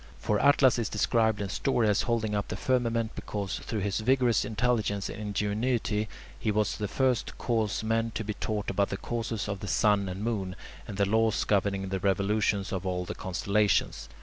For Atlas is described in story as holding up the firmament because, through his vigorous intelligence and ingenuity, he was the first to cause men to be taught about the courses of the sun and moon, and the laws governing the revolutions of all the constellations.